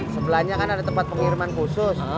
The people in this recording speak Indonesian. sebelahnya kan ada tempat pengiriman khusus